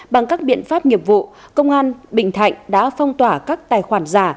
bằng các biện pháp nghiệp vụ công an bình thạnh đã phong tỏa các tài khoản giả